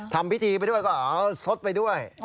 ทำพิธีไปด้วยก็เอาสดไปด้วย